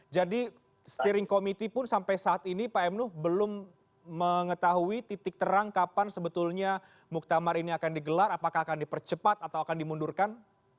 jadi steering committee pun sampai saat ini pak m nuh belum mengetahui titik terang kapan sebetulnya muktamar ini akan digelar apakah akan dipercepat atau akan dimundurkan